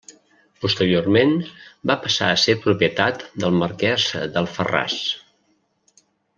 Posteriorment, va passar a ser propietat del marquès d'Alfarràs.